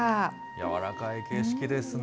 やわらかい景色ですね。